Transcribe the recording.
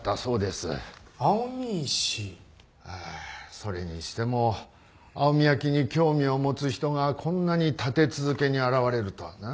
それにしても蒼海焼に興味を持つ人がこんなに立て続けに現れるとはな。